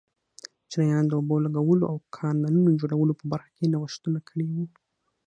چینایانو د اوبو لګولو او کانالونو جوړولو په برخه کې نوښتونه کړي وو.